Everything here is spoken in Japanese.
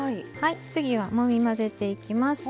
次に、もみ混ぜていきます。